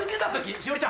栞里ちゃん